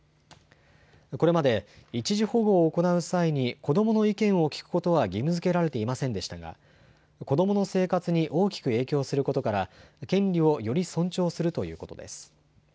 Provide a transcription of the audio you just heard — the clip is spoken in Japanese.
これまで一時保護を行う際に子どもの意見を聞くことは義務づけられていませんでしたが子どもの生活に大きく影響することから権利をより尊重するということです。